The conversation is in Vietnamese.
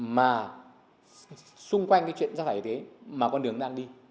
mà xung quanh cái chuyện rác thải y tế mà con đường đang đi